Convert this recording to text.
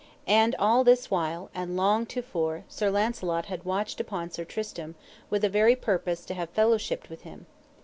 And all this while, and long to fore, Sir Launcelot had watched upon Sir Tristram with a very purpose to have fellowshipped with him.